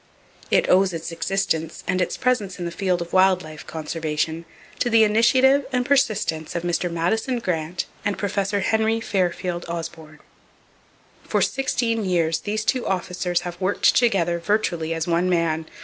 It owes its existence and its presence in the field of wild life conservation to the initiative and persistence of Mr. Madison Grant and Prof. Henry Fairfield Osborn. For sixteen years these two officers have worked together virtually as one man.